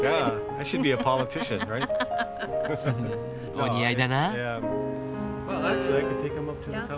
お似合いだなあ。